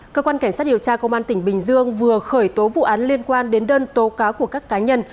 cơ quan cảnh sát điều tra công an tỉnh bình dương vừa khởi tố vụ án liên quan đến đơn tố cáo của các cá nhân